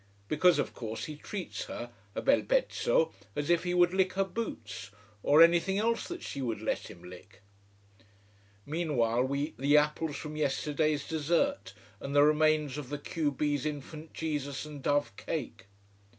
Because of course he treats her a bel pezzo as if he would lick her boots, or anything else that she would let him lick. Meanwhile we eat the apples from yesterday's dessert, and the remains of the q b's Infant Jesus and dove cake.